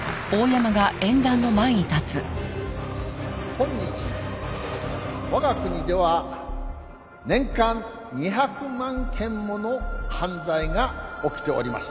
今日わが国では年間２００万件もの犯罪が起きております。